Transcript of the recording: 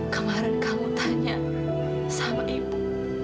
kemarin kamu tanya sama ibu